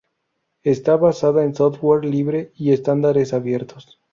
Está basada en software libre y estándares abiertos.